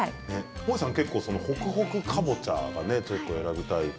もえさんはほくほくかぼちゃを選びたいって。